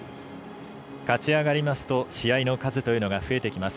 勝ちあがりますと試合の数というのが増えてきます。